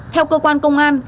theo cơ quan công an